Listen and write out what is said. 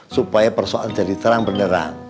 supaya persoalan jadi terang benerang